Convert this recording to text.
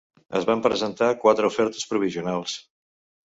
Es van presentar quatre ofertes provisionals.